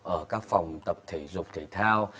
ở các phòng tập thể dục thể thao